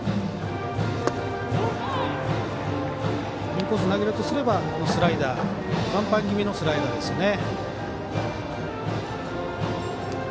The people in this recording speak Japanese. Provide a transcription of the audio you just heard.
インコース投げるとすればワンバン気味のスライダーですね。